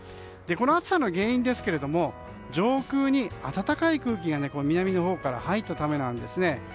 この暑さの原因ですが上空に暖かい空気が南のほうから入ったためなんですね。